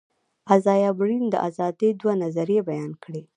ازایا برلین د آزادي دوه نظریې بیان کړې.